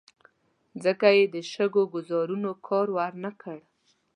ځکه یې د شګو ګوزارونو کار ور نه کړ.